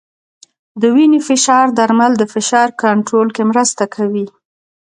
د وینې فشار درمل د فشار کنټرول کې مرسته کوي.